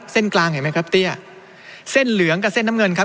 เส้นกลางเห็นไหมครับเตี้ยเส้นเหลืองกับเส้นน้ำเงินครับ